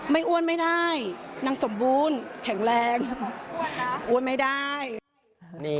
อ้วนไม่ได้นางสมบูรณ์แข็งแรงอ้วนไม่ได้